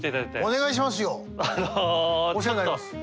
お願いしますよ。